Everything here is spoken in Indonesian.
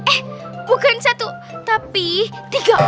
eh bukan satu tapi tiga orang